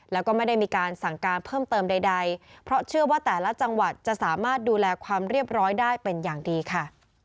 แล้วก็ไม่ได้มีการสั่งการเพิ่มเติมใดเพราะเชื่อว่าแต่ละจังหวัดจะสามารถดูแลความเรียบร้อยได้เป็นอย่างดีค่ะ